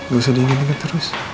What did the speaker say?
gak usah diinginkan terus